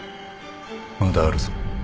まだあるぞ。